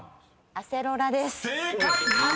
「アセロラ」です］